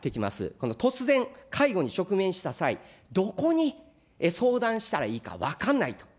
この突然、介護に直面した際、どこに相談したらいいか分かんないと。